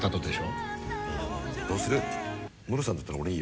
どうする？